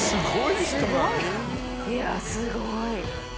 いやすごい。